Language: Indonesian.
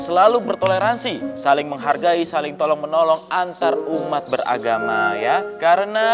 selalu bertoleransi saling menghargai saling tolong menolong antarumat beragama ya karena